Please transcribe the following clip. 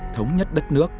thống nhất đất nước